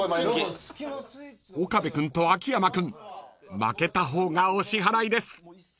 ［岡部君と秋山君負けた方がお支払いです］